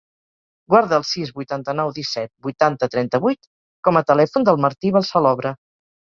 Guarda el sis, vuitanta-nou, disset, vuitanta, trenta-vuit com a telèfon del Martí Balsalobre.